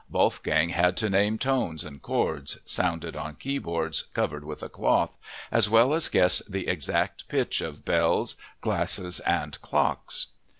Wolfgang had to name tones and chords sounded on keyboards covered with a cloth, as well as guess the exact pitch of bells, glasses, and clocks.